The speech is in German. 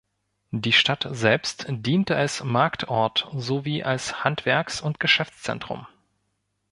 Die Stadt selbst diente als Marktort sowie als Handwerks- und Geschäftszentrum.